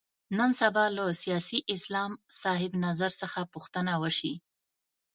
نن سبا له سیاسي اسلام صاحب نظر څخه پوښتنه وشي.